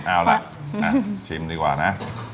เอาล่ะชิมดีกว่านะ